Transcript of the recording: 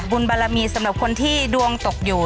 บารมีสำหรับคนที่ดวงตกอยู่